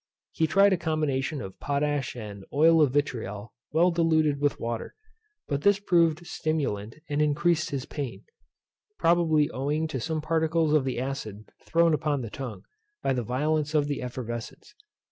He tried a combination of potash and oil of vitriol well diluted with water; but this proved stimulant and increased his pain; probably owing to some particles of the acid thrown upon the tongue, by the violence of the effervescence.